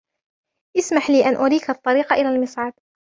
اسمح لي أن أريك الطريق إلی المصعد